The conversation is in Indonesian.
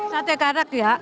sate karak ya